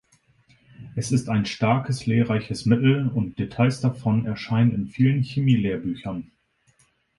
Es ist ein starkes lehrreiches Mittel, und Details davon erscheinen in vielen Chemie-Lehrbüchern.